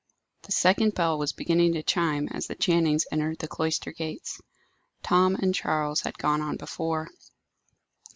The second bell was beginning to chime as the Channings entered the cloister gates. Tom and Charles had gone on before.